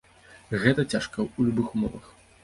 Гэта цяжка ў любых умовах.